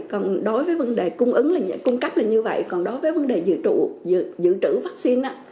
còn đối với vấn đề cung cấp là như vậy còn đối với vấn đề giữ trữ vaccine